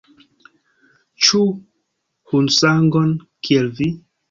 Ĉu hundsangon, kiel vi?